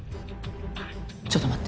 ちょっと待って。